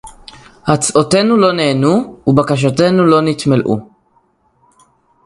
הצעותינו לא נענו ובקשותינו לא נתמלאו